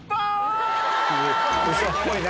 ウソっぽいな！